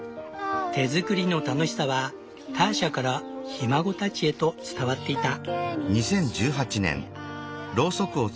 手作りの楽しさはターシャからひ孫たちへと伝わっていた。